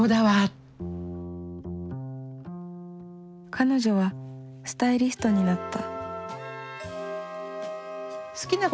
彼女はスタイリストになった。